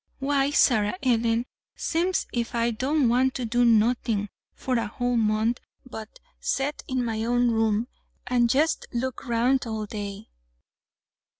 Why, Sarah Ellen, seems if I don't want to do nothin' for a whole month but set in my own room an' jest look 'round all day!"